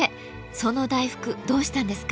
その大福どうしたんですか？